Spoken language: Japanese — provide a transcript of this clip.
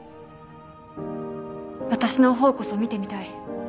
私の方こそ見てみたい。